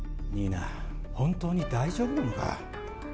新名本当に大丈夫なのか？